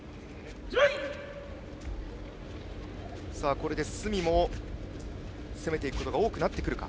これで角も攻めていくことが多くなってくるか。